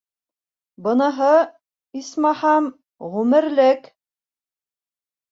Быныһы, исмаһам, ғүмерлек.